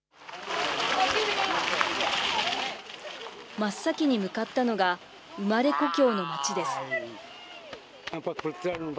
真っ先に向かったのが、生まれ故郷の町です。